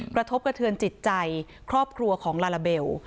กระทบกระเทือนจิตใจครอบครัวของลาลาเบล